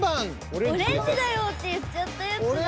オレンジだよって言っちゃったやつだ。